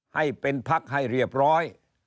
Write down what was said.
ให้เป็นพักให้เรียบร้อย